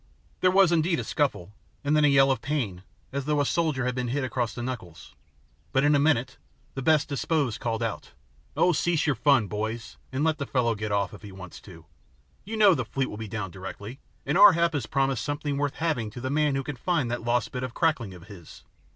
There was indeed a scuffle, and then a yell of pain, as though a soldier had been hit across the knuckles; but in a minute the best disposed called out, "Oh, cease your fun, boys, and let the fellow get off if he wants to. You know the fleet will be down directly, and Ar hap has promised something worth having to the man who can find that lost bit of crackling of his.